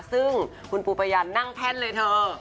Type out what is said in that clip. ซึ่งคุณปูประยันนั่งแท่นเลยเธอ